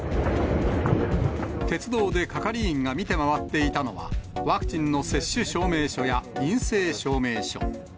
鉄道で係員が見て回っていたのは、ワクチンの接種証明書や陰性証明書。